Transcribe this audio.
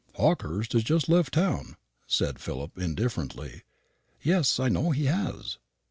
"Hawkehurst has just left town," said Philip indifferently. "Yes, I know he has."